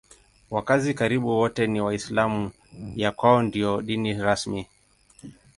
Wakazi karibu wote ni Waislamu; ya kwao ndiyo dini rasmi.